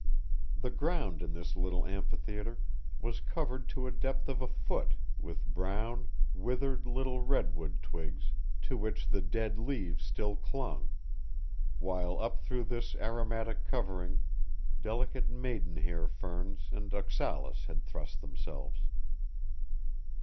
The ground in this little amphitheatre was covered to a depth of a foot with brown, withered little redwood twigs to which the dead leaves still clung, while up through this aromatic covering delicate maidenhair ferns and oxalis had thrust themselves.